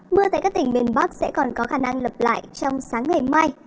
mưa tại các tỉnh miền bắc sẽ còn có khả năng lập lại trong sáng ngày mai